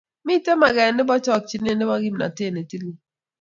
Mitei maget nebo chokchinet nebo kimnatet ne tilil